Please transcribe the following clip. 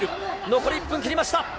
残り１分切りました。